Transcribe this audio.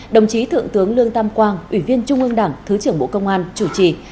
đồng chí thượng tướng lương tam quang ủy viên trung ương đảng thứ trưởng bộ công an chủ trì